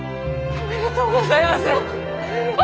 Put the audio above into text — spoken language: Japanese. おめでとうございます！